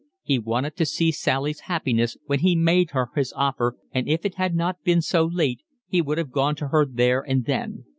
He wanted to see Sally's happiness when he made her his offer, and if it had not been so late he would have gone to her there and then.